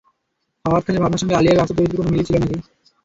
ফাওয়াদ খানের ভাবনার সঙ্গে আলিয়ার বাস্তব চরিত্রের কোনো মিলই নাকি ছিল না।